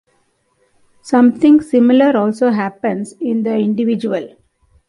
Something similar also happens in the individual.